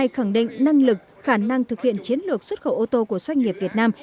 khẳng định năng lực khả năng thực hiện chiến lược xuất khẩu ô tô của doanh nghiệp việt nam